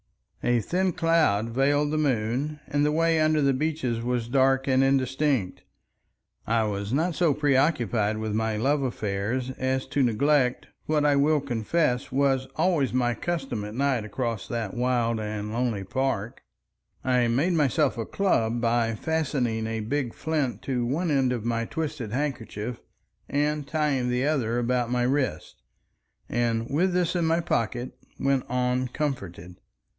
A thin cloud veiled the moon, and the way under the beeches was dark and indistinct. I was not so preoccupied with my love affairs as to neglect what I will confess was always my custom at night across that wild and lonely park. I made myself a club by fastening a big flint to one end of my twisted handkerchief and tying the other about my wrist, and with this in my pocket, went on comforted.